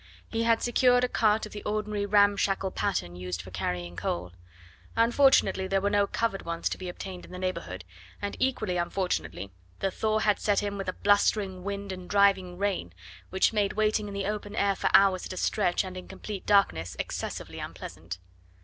He had secured a cart of the ordinary ramshackle pattern used for carrying coal. Unfortunately there were no covered ones to be obtained in the neighbourhood, and equally unfortunately the thaw had set in with a blustering wind and driving rain, which made waiting in the open air for hours at a stretch and in complete darkness excessively unpleasant.